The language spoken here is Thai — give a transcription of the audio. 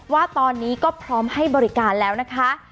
ว่าตอนนี้ก็พร้อมให้บริการแล้วนะคะ